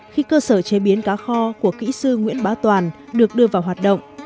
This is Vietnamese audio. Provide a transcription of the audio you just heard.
khi cơ sở chế biến cá kho của kỹ sư nguyễn bá toàn được đưa vào hoạt động